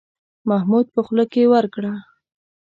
محمود په خوله کې ورکړه.